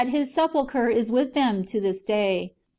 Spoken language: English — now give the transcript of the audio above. Ills sepulchre is with them to this day.